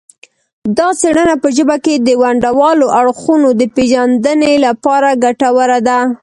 دا څیړنه په ژبه کې د ونډوالو اړخونو د پیژندنې لپاره ګټوره ده